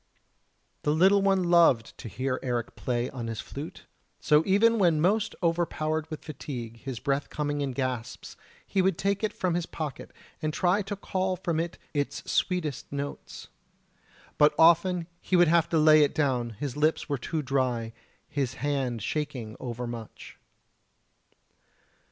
The little one loved to hear Eric play on his flute; so even when most overpowered with fatigue, his breath coming in gasps, he would take it from his pocket and try to call from it its sweetest notes. But often he would have to lay it down, his lips were too dry, his hand shaking overmuch.